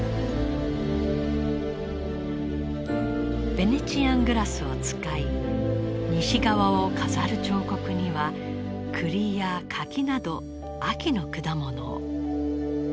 ベネチアングラスを使い西側を飾る彫刻にはクリや柿など秋の果物を。